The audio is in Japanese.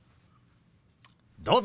どうぞ。